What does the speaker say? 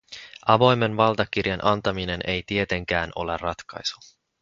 Avoimen valtakirjan antaminen ei tietenkään ole ratkaisu.